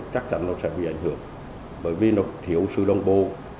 chắc chắn nó sẽ bị ảnh hưởng bởi vì nó thiếu sự đồng bộ